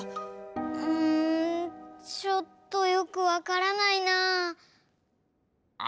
うんちょっとよくわからないな。